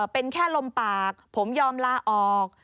เป็นแค่ลมปากผมยอมลาออก